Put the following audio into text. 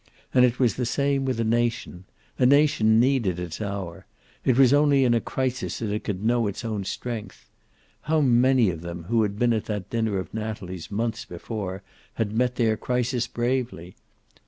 And it was the same way with a nation. A nation needed its hour. It was only in a crisis that it could know its own strength. How many of them, who had been at that dinner of Natalie's months before, had met their crisis bravely!